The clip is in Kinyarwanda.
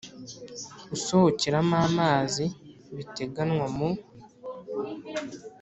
Usohokeramo amazi biteganywa mu